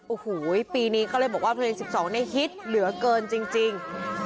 โอ้โหปีนี้ก็เลยบอกว่าเพลง๑๒เนี่ยฮิตเหลือเกินจริง